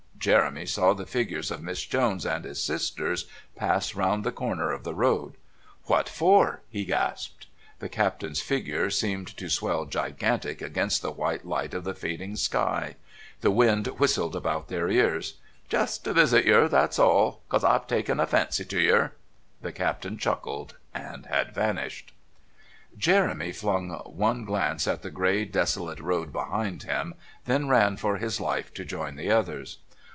Jeremy saw the figures of Miss Jones and his sisters pass round the corner of the road. "What for?" he gasped. The Captain's figure seemed to swell gigantic against the white light of the fading sky. The wind whistled about their ears. "Just to visit yer, that's all. 'Cause I've taken a fancy to yer." The Captain chuckled and had vanished... Jeremy flung one glance at the grey desolate road behind him, then ran for his life to join the others.